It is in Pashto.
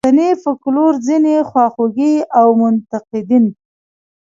د پښتني فوکلور ځینې خواخوږي او منتقدین.